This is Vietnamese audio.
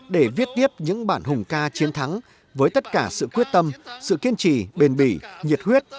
để viết tiếp những bản hùng ca chiến thắng với tất cả sự quyết tâm sự kiên trì bền bỉ nhiệt huyết